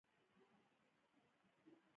موزون کلام پر اورېدونکي ښه اغېز کوي